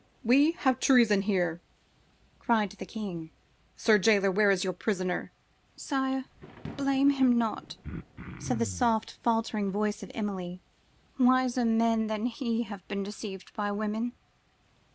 "We have treason here!" cried the king: "sir jailor, where is your prisoner?""Sire, blame him not," said the soft faltering voice of Emilie; "wiser men than he have been deceived by woman.